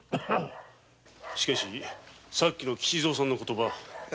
しかしさっきの吉蔵さんの言葉。